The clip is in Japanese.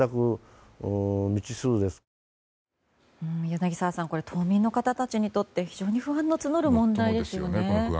柳澤さん島民の方たちにとって非常に不安が募る問題ですよね。